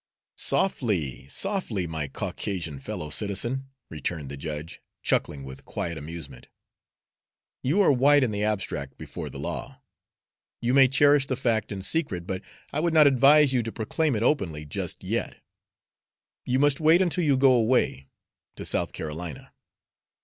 "Softly, softly, my Caucasian fellow citizen," returned the judge, chuckling with quiet amusement. "You are white in the abstract, before the law. You may cherish the fact in secret, but I would not advise you to proclaim it openly just yet. You must wait until you go away to South Carolina."